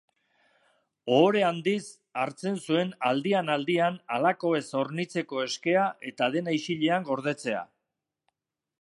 Ohore handiz hartzen zuen aldian-aldian halakoez hornitzeko eskea eta dena isilean gordetzea.